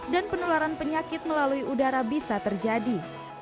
dan penularan penyakit melalui udara bisa terjadi